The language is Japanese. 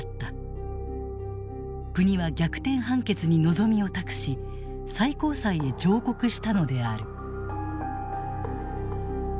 国は逆転判決に望みを託し最高裁へ上告したのである。